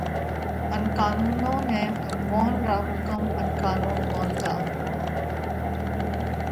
ان قانونون نئہ ڀڳوونَ را حُڪم ان قانُون مونتا